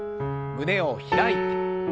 胸を開いて。